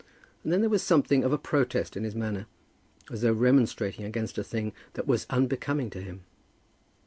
And then there was something of a protest in his manner, as though remonstrating against a thing that was unbecoming to him.